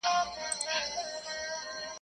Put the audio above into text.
خپلي پښې د خپلي کمبلي سره غځوه.